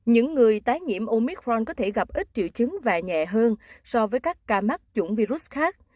những người tái nhiễm omicron có thể gặp ít triệu chứng và nhẹ hơn so với các ca mắc chủng virus khác